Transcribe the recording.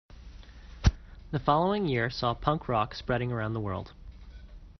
The following year saw punk rock spreading around the world.